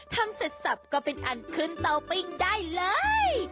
ทำเสร็จสับก็เป็นอันขึ้นเตาปิ้งได้เลย